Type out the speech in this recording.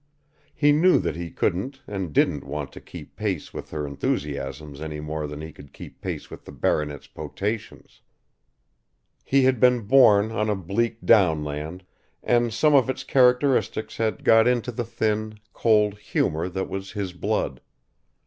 He knew that he couldn't and didn't want to keep pace with her enthusiasms any more than he could keep pace with the baronet's potations. He had been born on a bleak downland, and some of its characteristics had got into the thin, cold humour that was his blood.